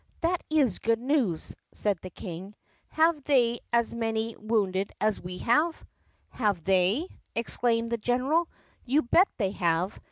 "That is good news," said the King. "Have they as many wounded as we have*?" "Have they*?" exclaimed the general. "You bet they have!